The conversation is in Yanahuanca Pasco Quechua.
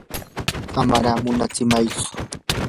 amaraq munatsimaychu.